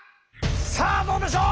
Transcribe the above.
さあどうでしょう！